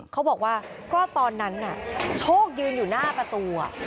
เขาบอกว่าก็ตอนนั้นน่ะโชคยืนอยู่หน้าประตู